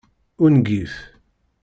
Ungif!